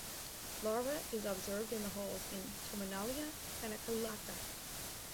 Larva is observed in the holes in "Terminalia paniculata".